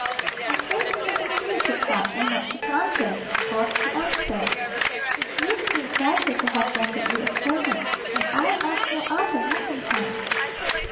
"I came into the field to fight, and not to plunder," was the answer: "it gives me pleasure to have rendered you a service, and I ask no other recompense."